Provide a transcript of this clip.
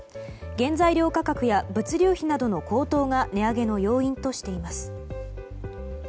原材料価格や物流費などの高騰が値上げの要因としています。